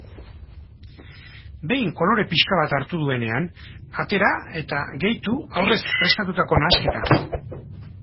Behin kolore pixka bat hartu duenean, atera eta gehitu aurrez prestatutako nahasketa.